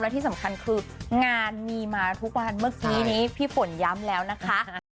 ที่สำคัญคืองานมีมาทุกวันเมื่อกี้นี้พี่ฝนย้ำแล้วนะคะ